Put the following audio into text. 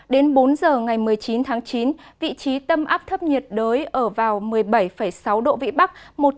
đến bốn giờ ngày một mươi chín tháng chín vị trí tâm áp thấp nhiệt đới ở vào một mươi bảy sáu độ vĩ bắc